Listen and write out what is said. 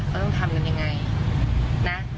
ต้องทำกันยังไงนะ